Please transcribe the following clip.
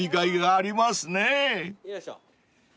よいしょ。